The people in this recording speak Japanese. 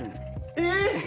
えっ！？